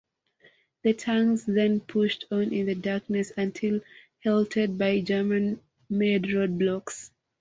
The tanks then pushed on in the darkness until halted by German made roadblocks.